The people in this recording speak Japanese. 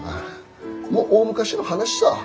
もう大昔の話さぁ。